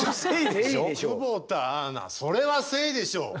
久保田アナそれはセイでしょう！